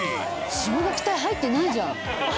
シブがき隊入ってないじゃん。